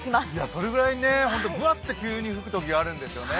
それぐらいぶわっと急に吹くときあるんですよね。